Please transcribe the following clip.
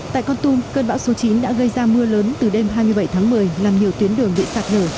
tại con tum cơn bão số chín đã gây ra mưa lớn từ đêm hai mươi bảy tháng một mươi làm nhiều tuyến đường bị sạt lở